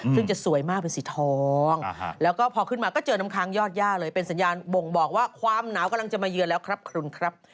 ซึ่งจะสวยมากเป็นสีทองแล้วก็พอขึ้นมาก็เจอน้ำค้างยอดย่าเลยเป็นสัญญาณบ่งบอกว่าความหนาวกำลังจะมาเยือนแล้วครับคุณครับ